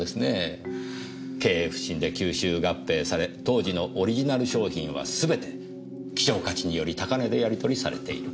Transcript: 経営不振で吸収合併され当時のオリジナル商品はすべて希少価値により高値でやり取りされている。